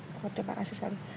pokoknya terima kasih sekali